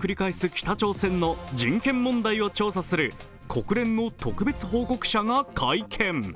北朝鮮の人権問題を調査する国連の特別報告者が会見。